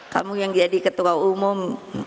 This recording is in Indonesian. kamu yang jadi ketua umum